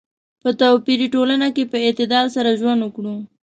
په توپیري ټولنه کې په اعتدال سره ژوند وکړو.